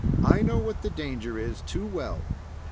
"I know what the danger is too well."